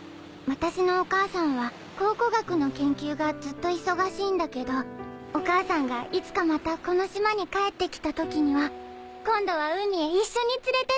私のお母さんは考古学の研究がずっと忙しいんだけどお母さんがいつかまたこの島に帰ってきたときには今度は海へ一緒に連れてってもらうの